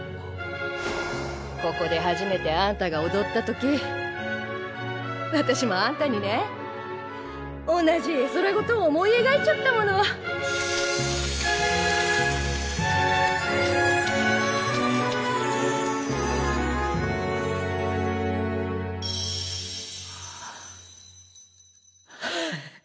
ここで初めてあんたが踊ったとき私もあんたにね同じ絵空事を思い描いちゃったものははっ。